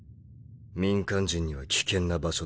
民間人には危険な場所だ。